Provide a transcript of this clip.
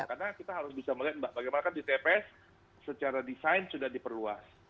karena kita harus bisa melihat bagaimana kan di tps secara desain sudah diperluas